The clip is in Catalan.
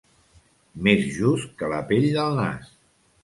Més just que la pell del nas.